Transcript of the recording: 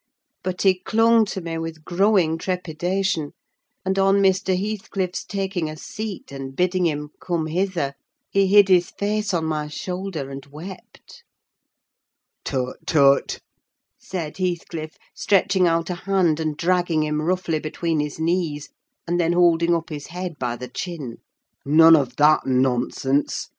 But he clung to me with growing trepidation; and on Mr. Heathcliff's taking a seat and bidding him "come hither" he hid his face on my shoulder and wept. "Tut, tut!" said Heathcliff, stretching out a hand and dragging him roughly between his knees, and then holding up his head by the chin. "None of that nonsense!